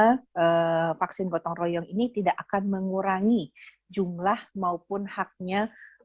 nah ini sudah pasti kedua vaksin gotong royong ini tidak akan mengurangi jumlah maupun harga vaksin yang ada di program pemerintah